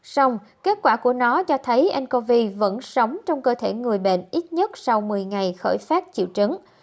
xong kết quả của nó cho thấy ncov vẫn sống trong cơ thể người bệnh ít nhất sau một mươi ngày khởi phát triệu chứng